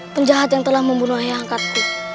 penjahat yang telah membunuh ayah angkatku